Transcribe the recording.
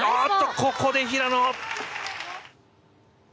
ここで平野。